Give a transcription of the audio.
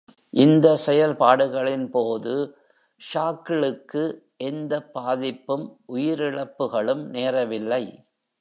இந்த செயல்பாடுகளின் போது ஷாக்கிளுக்கு எந்த பாதிப்பும் உயிரிழப்புகளும் நேரவில்லை.